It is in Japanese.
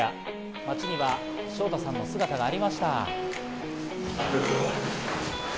街にはＳＨＯＴＡさんの姿がありました。